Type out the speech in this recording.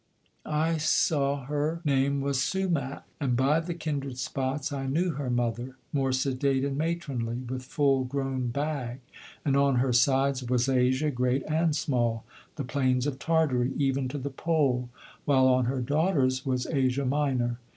"I saw her name was Sumach. And by the kindred spots I knew her mother, more sedate and matronly, with full grown bag, and on her sides was Asia, great and small, the plains of Tartary, even to the pole, while on her daughter's was Asia Minor.